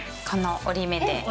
この折り目で。